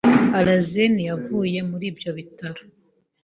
Alhazen yavuye muri ibyo bitaro